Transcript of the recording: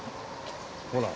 ほら！